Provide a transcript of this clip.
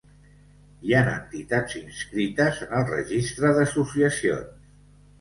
Hi ha entitats inscrites en el Registre d'associacions.